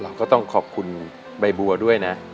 เราก็ต้องขอบคุณใบบัวด้วยนะ